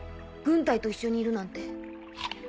軍隊と一緒にいるなんて。